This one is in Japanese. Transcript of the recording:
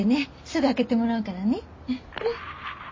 すぐ開けてもらうからね。